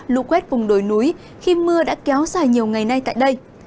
lũ quét vùng đồi núi khi mưa đã kéo dài nhiều ngày nay tại đây